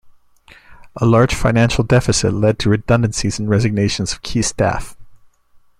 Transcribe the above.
A large financial deficit led to redundancies and resignations of key staff.